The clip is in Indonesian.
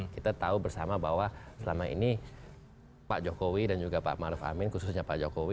kita tahu bersama bahwa selama ini pak jokowi dan juga pak maruf amin khususnya pak jokowi